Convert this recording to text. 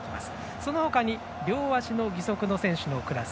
そのほかに両足の義足の選手のクラス。